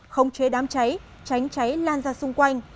không chế đám cháy tránh cháy lan ra xung quanh